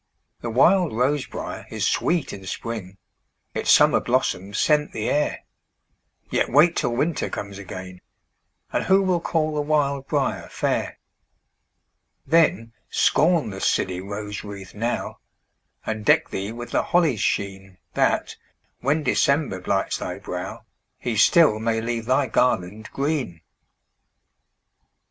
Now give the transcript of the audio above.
The wild rose briar is sweet in spring, Its summer blossoms scent the air; Yet wait till winter comes again, And who will call the wild briar fair? Then, scorn the silly rose wreath now, And deck thee with the holly's sheen, That, when December blights thy brow, He still may leave thy garland green.